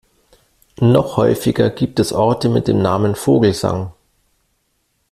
Noch häufiger gibt es Orte mit dem Namen Vogelsang.